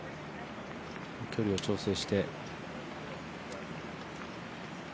距離を調整して。